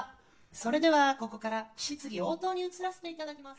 それではここから質疑応答に移らせていただきます。